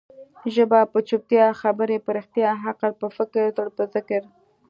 ژبه په چوپتيا، خبري په رښتیا، عقل په فکر، زړه په ذکر.